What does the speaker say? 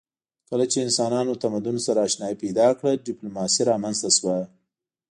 کله چې انسانانو تمدن سره آشنايي پیدا کړه ډیپلوماسي رامنځته شوه